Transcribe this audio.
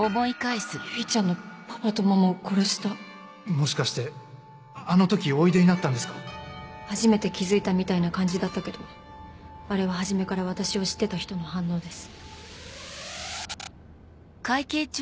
唯ちゃんのパパとママを殺したもしかしてあの時おいでになったんで初めて気付いたみたいな感じだったけどあれは初めから私を知ってた人の反応です。